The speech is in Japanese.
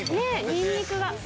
ニンニクが！